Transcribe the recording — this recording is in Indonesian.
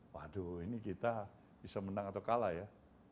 waduh ini kita bisa menang atau kalah ya